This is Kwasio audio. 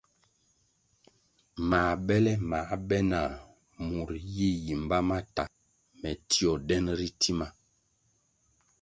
Mā bele ma be nah, murʼ yi yimba ma ta, me tio den ritima.